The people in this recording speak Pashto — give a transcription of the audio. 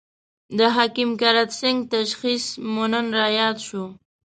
د حکیم کرت سېنګ تشخیص مې نن را ياد شو.